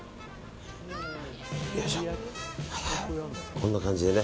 こんな感じで。